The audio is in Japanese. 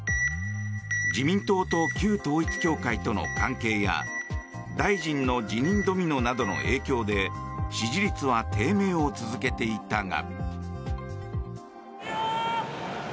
自民党と旧統一教会との関係や大臣の辞任ドミノなどの影響で支持率は低迷を続けていたが。